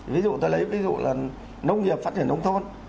ví dụ tôi lấy ví dụ là nông nghiệp phát triển nông thôn